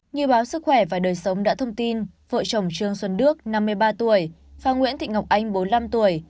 như báo sức khỏe và đời sống đã thông tin vợ chồng trương xuân đức năm mươi ba tuổi và nguyễn thị ngọc anh bốn mươi năm tuổi